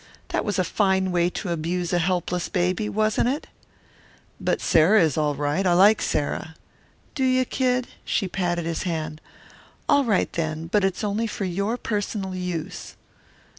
That was a fine way to abuse a helpless baby, wasn't it?" "But Sarah is all right. I like Sarah." "Do you, Kid?" She patted his hand. "All right, then, but it's only for your personal use."